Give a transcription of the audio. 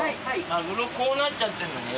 マグロこうなっちゃってんのね。